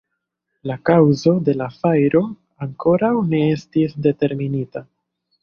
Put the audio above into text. La kaŭzo de la fajro ankoraŭ ne estis determinita.